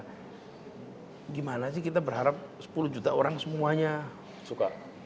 gimana sih kita berharap sepuluh juta orang semuanya suka